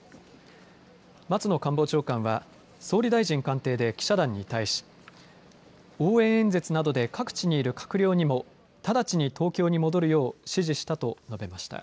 松野官房長官は総理大臣官邸で記者団に対し応援演説などで各地にいる閣僚にも直ちに東京に戻るよう指示したと述べました。